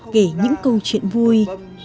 kể những câu chuyện vui